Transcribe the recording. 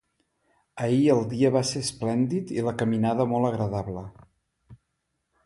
Ahir el dia va ser esplèndid i la caminada molt agradable.